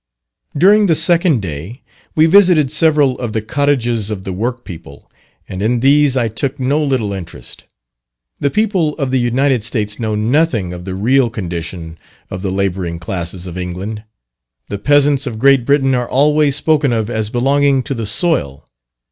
During the second day we visited several of the cottages of the work people, and in these I took no little interest. The people of the United States know nothing of the real condition of the labouring classes of England. The peasants of Great Britain are always spoken of as belonging to the soil.